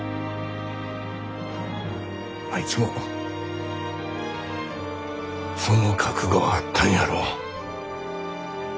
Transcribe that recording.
あいつもその覚悟はあったんやろ。